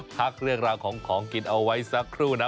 พักเรื่องราวของของกินเอาไว้สักครู่นะ